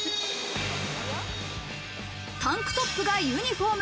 タンクトップがユニフォーム。